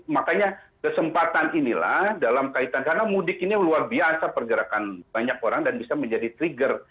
makanya kesempatan inilah dalam kaitan karena mudik ini luar biasa pergerakan banyak orang dan bisa menjadi trigger